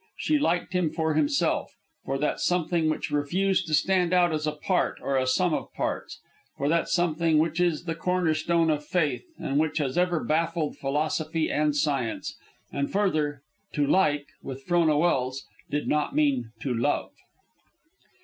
She liked him for himself, for that something which refused to stand out as a part, or a sum of parts; for that something which is the corner stone of Faith and which has ever baffled Philosophy and Science. And further, to like, with Frona Welse, did not mean to love.